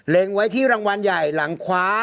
ไว้ที่รางวัลใหญ่หลังคว้า